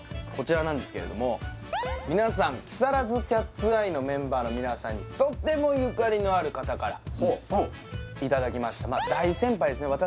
こちらなんですけれども皆さん「木更津キャッツアイ」のメンバーの皆さんにとても縁のある方からいただきました大先輩ですね